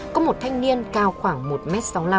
có một thanh niên cao khoảng một m sáu mươi năm